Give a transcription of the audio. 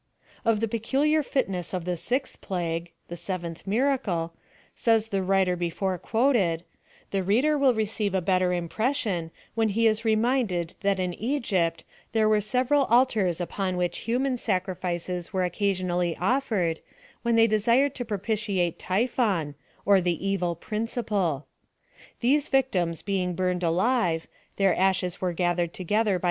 Of the peculiar fitness of the sixth plague (the seventh miracle) says the writer before quoted, the reader will receive a better impression, when he is reminded that in Egypt there were several altars upon which human sacrifices were occasionally of fered, when they desired to propitiate Typhon, or the Evil Principle. These victims being burned alive, their ashes were gathered together by.